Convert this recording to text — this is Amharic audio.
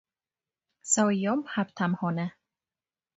ሰውየውም ሃብታም ሆነ፡፡